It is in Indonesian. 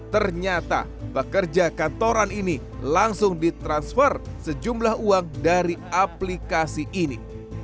ternyata pekerja kantoran ini langsung ditransfer sejumlah uang dari aplikasi ini